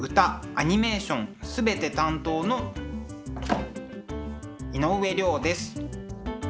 アニメーション全て担当の井上涼です。